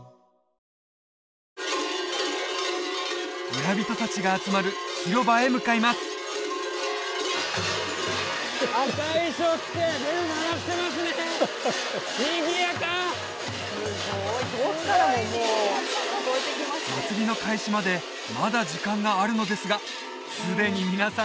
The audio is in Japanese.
村人達が集まる広場へ向かいます祭りの開始までまだ時間があるのですがすでに皆さん